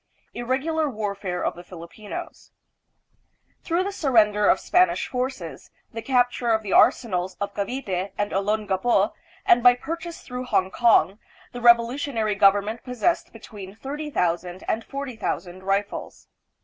Irregular Warfare of the Filipinos. Through the surrender of Spanish forces, the capture of the arsenals of Cavite and Olongapo, and by purchase through Hong kong, the revolutionary government possessed between thirty thousand and forty thousand rifles.